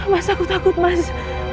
mas aku takut mas